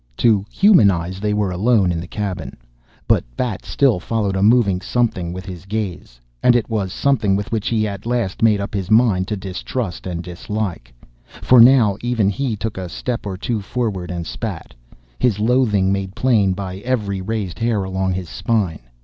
To human eyes they were alone in the cabin. But Bat still followed a moving something with his gaze. And it was something which he had at last made up his mind to distrust and dislike. For now he took a step or two forward and spat his loathing made plain by every raised hair along his spine.